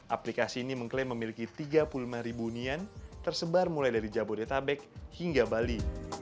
aplikasi ini mengklaim memiliki tiga puluh lima ribu hunian tersebar mulai dari jabodetabek hingga bali